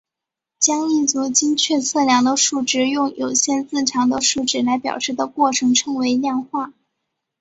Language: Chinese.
将一组精确测量的数值用有限字长的数值来表示的过程称为量化。